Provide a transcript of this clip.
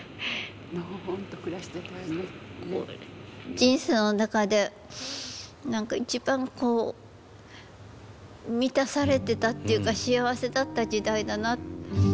人生の中で一番満たされてたっていうか幸せだった時代だな。